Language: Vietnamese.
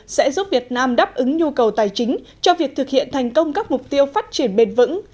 sẽ giúp việt nam đáp ứng nhu cầu tài chính cho việc thực hiện thành công các mục tiêu phát triển bền vững